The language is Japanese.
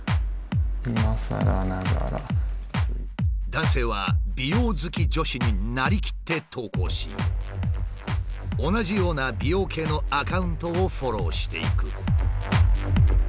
男性は美容好き女子になりきって投稿し同じような美容系のアカウントをフォローしていく。